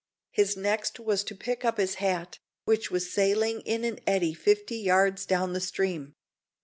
His next was to pick up his hat, which was sailing in an eddy fifty yards down the stream.